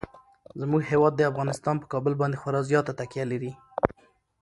زموږ هیواد افغانستان په کابل باندې خورا زیاته تکیه لري.